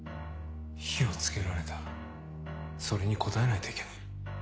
火を付けられたそれに応えないといけない。